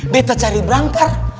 betah cari berangkar